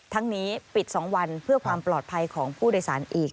นี้ปิด๒วันเพื่อความปลอดภัยของผู้โดยสารอีก